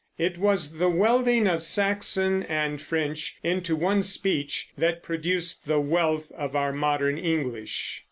It was the welding of Saxon and French into one speech that produced the wealth of our modern English.